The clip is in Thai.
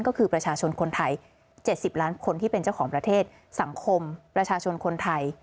ก็คือประชาชนคนไทย๗๐ล้านคนที่เป็นเจ้าของประเทศสังคมประชาชนคนไทย